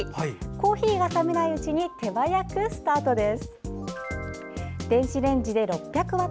コーヒーが冷めないうちに手早くスタートです。